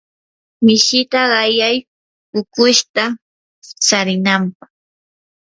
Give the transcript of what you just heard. mishita qayay ukushta tsarinanpaq.